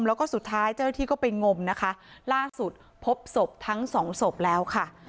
แล้วก็สุดท้ายเจ้าหน้าที่ก็ไปงมนะคะล่าสุดพบศพทั้งสองศพแล้วค่ะ